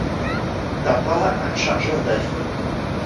T'as pas un chargeur d'iPhone ?